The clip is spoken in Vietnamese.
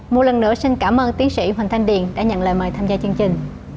một lần nữa xin cảm ơn tiến sĩ hoành thanh điền đã nhận lời mời tham gia chương trình